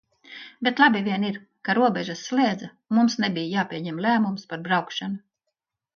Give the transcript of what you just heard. Bet labi vien ir, ka robežas slēdza un mums nebija jāpieņem lēmums par braukšanu.